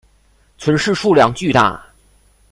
存世数量巨大。